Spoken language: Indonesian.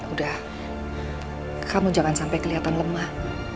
udah kamu jangan sampai kelihatan lemah